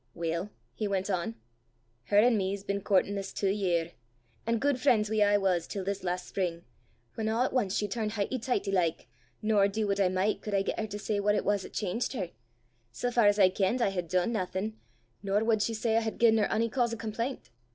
"Weel," he went on, "her an' me 's been coortin' this twa year; an' guid freen's we aye was till this last spring, whan a' at ance she turnt highty tighty like, nor, du what I micht, could I get her to say what it was 'at cheengt her: sae far as I kenned I had dune naething, nor wad she say I had gi'en her ony cause o' complaint.